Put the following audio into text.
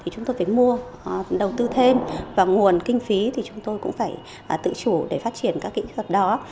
chúng tôi phải mua đầu tư thêm và nguồn kinh phí thì chúng tôi cũng phải tự chủ để phát triển các kỹ thuật đó